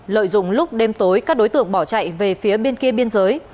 lợi dụng lúc đêm tối các đối tượng bỏ chạy về phía bên kia biên giới